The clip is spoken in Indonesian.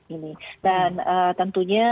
ini dan tentunya